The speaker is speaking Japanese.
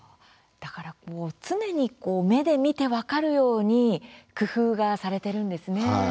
だから、常に目で見て分かるように工夫がされてるんですね。